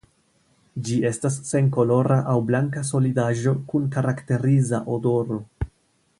Ĝi estas senkolora aŭ blanka solidaĵo kun karakteriza odoro.